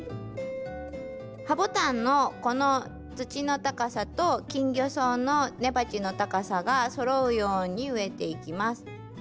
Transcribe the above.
ハボタンのこの土の高さとキンギョソウの根鉢の高さがそろうように植えていきます。